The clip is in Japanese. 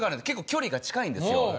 結構距離が近いんですよ。